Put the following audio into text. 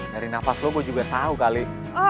dari nafas lo gue juga tahu kali